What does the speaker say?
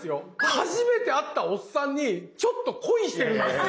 初めて会ったおっさんにちょっと恋してるんですよ。